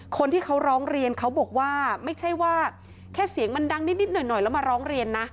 คนที่เขาร้องเรียนเขาบอกว่าไม่ใช่ว่าแค่เสียงมันดังนิดหน่อยแล้วมาร้องเรียนนะ